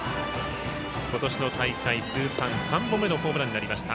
今年の大会、通算３本目のホームランになりました。